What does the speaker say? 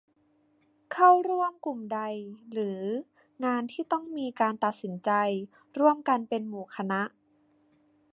เข้าร่วมกลุ่มใดหรืองานที่ต้องมีการตัดสินใจร่วมกันเป็นหมู่คณะ